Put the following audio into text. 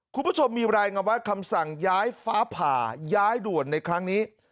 คุณผู้ชมมีรายงานว่าคำสั่งย้ายฟ้าผ่าย้ายด่วนในครั้งนี้